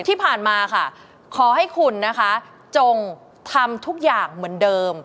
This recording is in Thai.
ที่ผ่านมาค่ะขอให้คุณนะคะจงทำทุกอย่างเหมือนเดิม